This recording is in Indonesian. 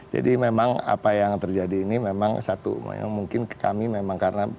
jadi memang apa yang terjadi ini memang satu mungkin kami memang karena